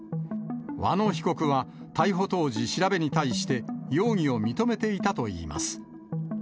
和野被告は逮捕当時、調べに対して容疑を認めていたといいます。